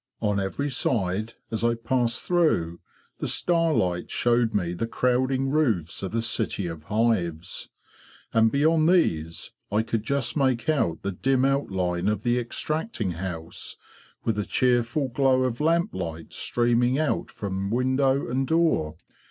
On every side, as I passed through, the star light showed me the crowding roofs of the city of hives; and beyond these I could just make out the dim outline of the extracting house, with a cheerful glow of lamplight streaming out from window and door.